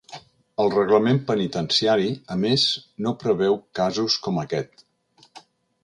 El reglament penitenciari, a més, no preveu casos com aquest.